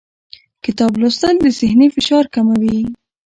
کتاب لوستل د ذهني فشار کموي